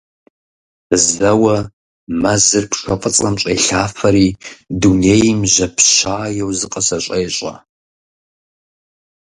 Зэуэ мазэр пшэ фӀыцӀэм щӀелъафэри, дунейм жьапщаеу зыкъызэщӀещӀэ.